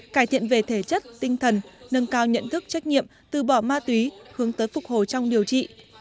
cải thiện về thể chất tinh thần nâng cao nhận thức trách nhiệm từ bỏ ma túy hướng tới phục hồi trong điều trị